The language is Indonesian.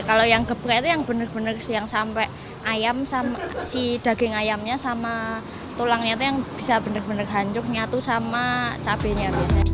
kalau yang geprek itu yang benar benar yang sampai ayam sama si daging ayamnya sama tulangnya itu yang bisa benar benar hanyuk nyatu sama cabainya